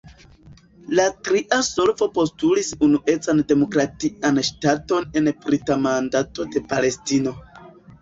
La tria solvo postulis unuecan demokratian ŝtaton en la Brita Mandato de Palestino.